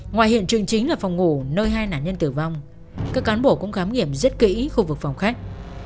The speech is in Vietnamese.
ngoài hiện trường chính là phòng ngủ nơi hai nạn nhân tử vong các cán bộ cũng khám nghiệm rất kỹ khu vực phòng khách